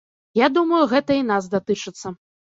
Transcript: Я думаю, гэта і нас датычыцца.